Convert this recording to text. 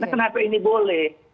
kenapa ini boleh